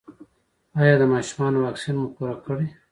ایا د ماشومانو واکسین مو پوره کړی؟